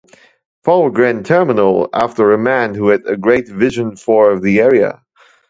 Fahlgren Terminal after a man who had a great vision for the area.